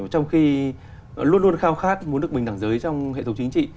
trong khi luôn luôn khao khát muốn được bình đẳng giới trong hệ thống chính trị